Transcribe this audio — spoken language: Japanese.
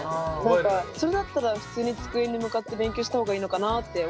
それだったら普通に机に向かって勉強した方がいいのかなって思いました。